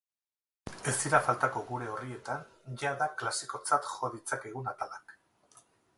Ez dira faltako gure orrietan jada klasikotzat jo ditzakegun atalak.